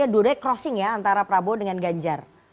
jadi ini masing masing ya antara prabowo dengan ganjar